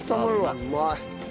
うまい！